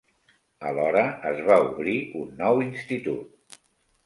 Alhora, es va obrir un nou institut.